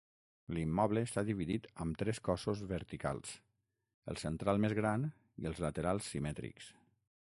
L'immoble està dividit amb tres cossos verticals: el central més gran i els laterals simètrics.